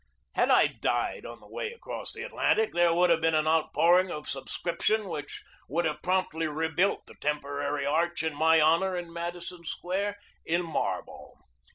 Had I died on the way across the Atlantic, there would have been an outpouring of subscriptions which would have promptly rebuilt the temporary arch in my honor in Madison Square in marble.